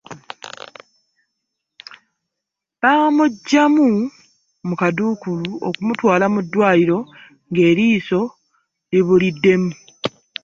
Baamuggyamu mu kaduukulu okumutwala mu ddwaaliro nga eriiso libuliddemu.